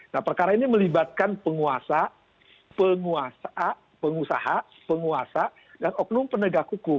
nah perkara ini melibatkan penguasa penguasa pengusaha penguasa dan oknum penegak hukum